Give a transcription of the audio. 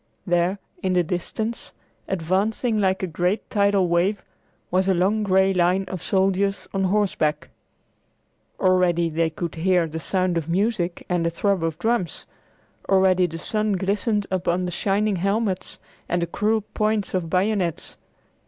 There in the distance, advancing like a great tidal wave, was a long gray line of soldiers on horseback. Already they could hear the sound of music and the throb of drums; already the sun glistened upon the shining helmets and the cruel points of bayonets.